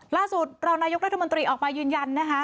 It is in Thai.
ล่าสุดราวนายกรัฐมนตรีออกมายืนยันนะฮะ